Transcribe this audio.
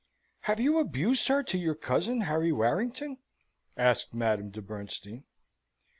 "Have you abused her to your cousin, Harry Warrington?" asked Madame de Bernstein.